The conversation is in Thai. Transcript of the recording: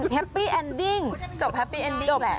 แฮปปี้แอนดิ้งจบแฮปปี้เอ็นดิ้งแหละ